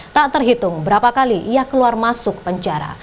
tak terhitung berapa kali ia keluar masuk penjara